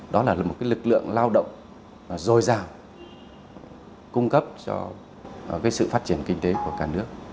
đó là một lực lượng lao động dồi dào cung cấp cho sự phát triển kinh tế của cả nước